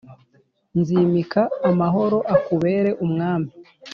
nzimika amahoro akubere umwami,